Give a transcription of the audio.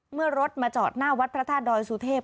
เมื่อรถมาจอดหน้าวัดพระธาตุดอยสุเทพ